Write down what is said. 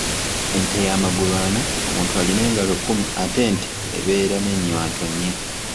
Ente y'amagulu ana, omuntu alina engalo kkumi ate ente ebeera n'ennywanto nnya.